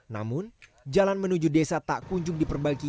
namun jalan menuju desa tak kunjung diperbaiki